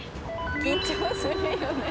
緊張するよね。